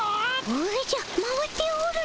おじゃ回っておるの。